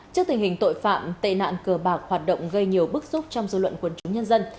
trước tình hình tội phạm tệ nạn cờ bạc hoạt động gây nhiều bức xúc trong dư luận quần chúng nhân dân